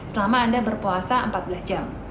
selama anda berpuasa empat belas jam